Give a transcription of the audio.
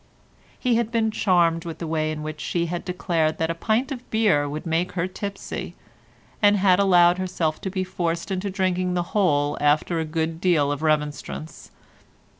He had been charmed with the way in which she had declared that a pint of beer would make her tipsy, and had only allowed herself to be forced into drinking the whole after a good deal of remonstrance.